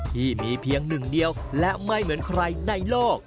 ที่มีเพียงหนึ่งเดียวและไม่เหมือนใครในโลก